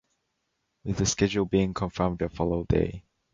With the schedule being confirmed the follow day.